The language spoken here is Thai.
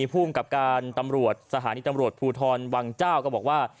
ภูมิกับการตำรวจสถานีตำรวจภูทรวังเจ้าก็บอกว่า